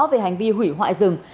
về hành vi hủy hoại rừng